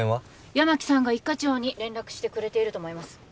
八巻さんが一課長に連絡してくれていると思います